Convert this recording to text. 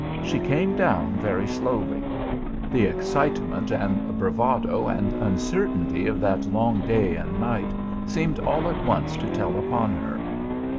She came down very slowly. The excitement and bravado and uncertainty of that long day and night seemed all at once to tell upon her.